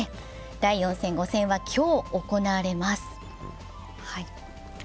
第４戦、５戦は今日行われます。